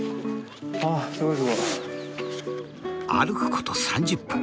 歩くこと３０分。